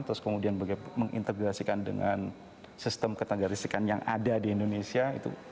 terus kemudian bagaimana mengintegrasikan dengan sistem ketangga risikan yang ada di indonesia